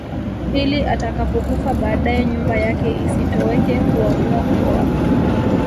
Ili atakapokufa baadae nyumba yake isitoweke huamua kuoa